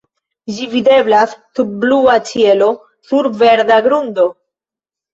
Ĝi videblas sub blua ĉielo sur verda grundo.